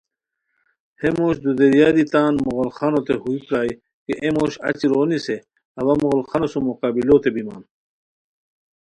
ہے موش دودیریاری تان مغل خانوتے ہوئی پرائے کی اے موش اچی رو نیسے! اوا مغل خانو سوم مقابلوتے بیمان